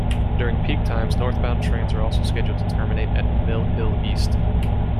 During peak times, northbound trains are also scheduled to terminate at Mill Hill East.